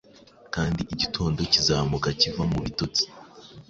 Kandi igitondo kizamuka kiva mubitotsi.